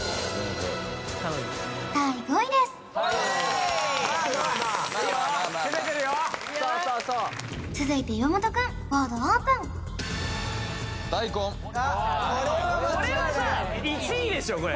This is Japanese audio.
第５位です続いて岩本くんボードオープンだいこん